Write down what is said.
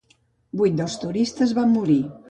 Vuit dels turistes van morir.